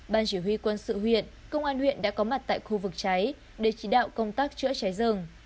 ban chỉ huy quân sự huyện công an huyện đã có mặt tại khu vực cháy để chỉ đạo công tác chữa cháy rừng